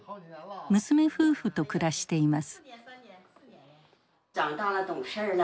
娘夫婦と暮らしています。